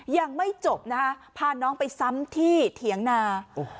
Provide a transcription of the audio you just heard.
ยังไม่จบนะคะพาน้องไปซ้ำที่เถียงนา